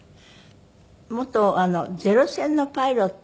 元ゼロ戦のパイロット。